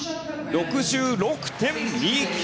６６．２９。